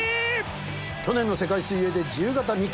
去年の世界水泳で自由形２冠。